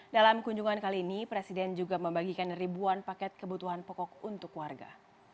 dalam kunjungan kali ini presiden juga membagikan ribuan paket kebutuhan pokok untuk warga